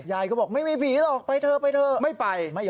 ยายก็บอกไม่มีผีหรอกไปเถอะไปเถอะไม่ไป